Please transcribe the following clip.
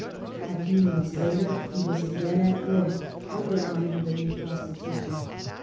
A few months later he was again at work undermining the new constitution.